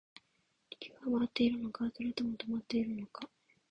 地球は回っているのか、それとも止まっているのか